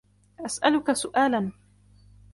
أسألك سؤالاً.